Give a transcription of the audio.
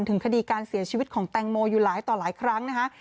ถึงคดีการเสียชีวิตของแตงโมอยู่หลายต่อหลายครั้งนะคะ